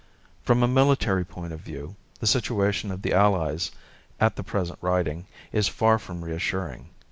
From a military point of view the situation of the Allies at the present writing is far from reassuring.